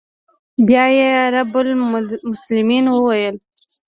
بيا يې رب المسلمين وويل.